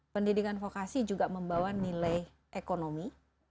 pendidikan vokasi juga membawa nilai ekonomi